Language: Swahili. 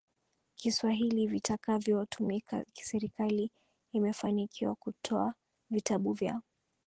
Kiswahili vitakavyotumika kiserikali Imefanikiwa kutoa vitabu vya